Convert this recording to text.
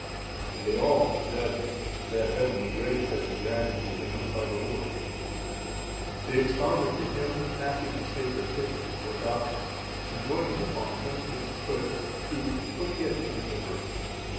And they all judged that heavenly grace had been granted to him by the Lord. They expounded to him a passage of sacred history or doctrine, enjoining upon him, if he could, to put it into verse.